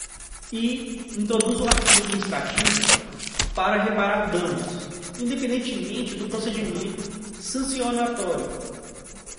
E introduz o arquivo administrativo para reparar danos, independentemente do procedimento sancionatório.